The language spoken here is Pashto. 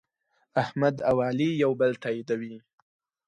احمد او علي یو بل تأییدوي.